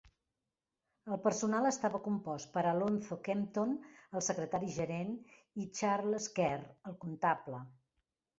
El personal estava compost per Alonzo Kempton, el secretari gerent, i Charles Kerr, el comptable.